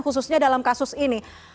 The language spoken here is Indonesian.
khususnya dalam kasus ini